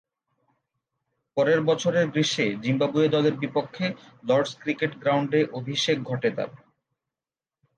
পরের বছরের গ্রীষ্মে জিম্বাবুয়ে দলের বিপক্ষে লর্ড’স ক্রিকেট গ্রাউন্ডে অভিষেক ঘটে তার।